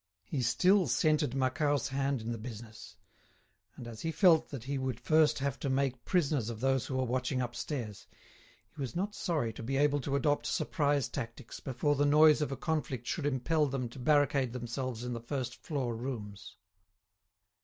He still scented Macquart's hand in the business, and, as he felt that he would first have to make prisoners of those who were watching upstairs, he was not sorry to be able to adopt surprise tactics before the noise of a conflict should impel them to barricade themselves in the first floor rooms.